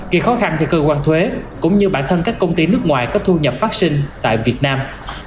gây khó khăn cho cơ quan thuế cũng như bản thân các công ty nước ngoài có thu nhập phát sinh tại việt nam